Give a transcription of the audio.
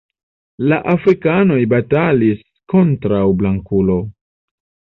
La Afrikanoj batalis kontraŭ Blankulo.